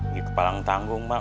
gitu pak langtanggung mak